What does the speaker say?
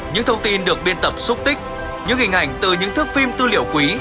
những thông tin được biên tập xúc tích những hình ảnh từ những thước phim tư liệu quý